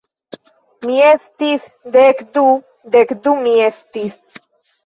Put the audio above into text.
Mi estis dek du... dek du mi estis